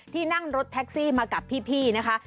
ที่นั่งรถแท็กซี่มากับพี่นะคะ